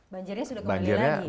banjirnya sudah kembali lagi